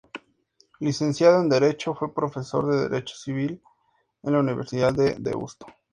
Licenciado en Derecho, fue profesor de derecho civil en la Universidad de Deusto.